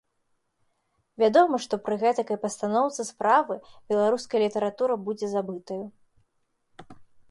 Вядома, што пры гэтакай пастаноўцы справы беларуская літаратура будзе забытаю.